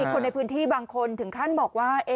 คนในพื้นที่บางคนถึงขั้นบอกว่า